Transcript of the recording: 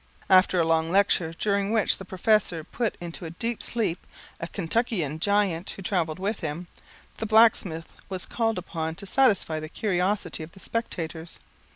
After a long lecture, during which the professor put into a deep sleep a Kentuckian giant, who travelled with him, the blacksmith was called upon to satisfy the curiosity of the spectators.